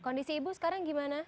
kondisi ibu sekarang gimana